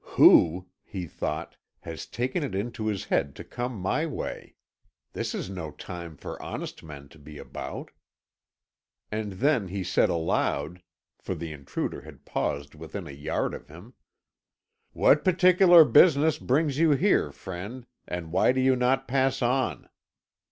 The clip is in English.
"Who," he thought, "has taken it into his head to come my way? This is no time for honest men to be about." And then he said aloud for the intruder had paused within a yard of him: "What particular business brings you here, friend, and why do you not pass on?"